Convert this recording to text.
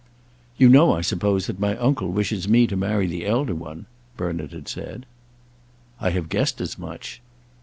"You know, I suppose, that my uncle wishes me to marry the elder one," Bernard had said. "I have guessed as much."